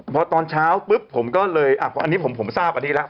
เพราะตอนเช้าผมก็เลยอันนี้ผมทราบอันนี้ละ